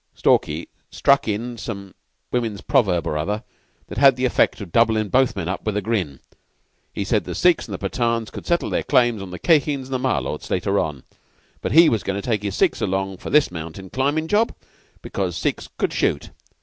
Stalky struck in with some woman's proverb or other, that had the effect of doublin' both men up with a grin. He said the Sikhs and the Pathans could settle their claims on the Khye Kheens and Malôts later on, but he was going to take his Sikhs along for this mountain climbing job, because Sikhs could shoot.